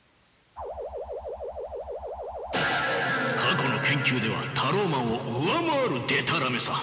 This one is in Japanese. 過去の研究ではタローマンを上回るでたらめさ。